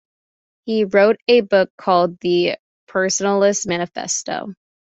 He wrote a book called "The Personalist Manifesto".